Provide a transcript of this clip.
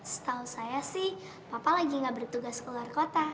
setahu saya sih papa lagi gak bertugas keluar kota